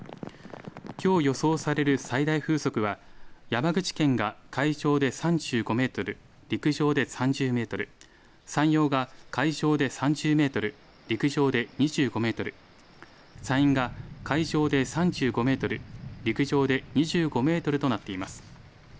きょう予想される最大風速は、山口県が海上で３５メートル、陸上で３０メートル、山陽が海上で３０メートル、陸上で２５メートル、山陰が海上で３５メートル、陸上で２５メートルとなっています。